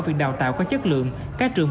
việc đào tạo có chất lượng các trường